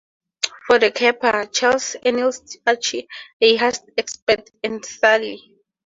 For the caper, Charles enlists Archie, a heist expert, and Sally.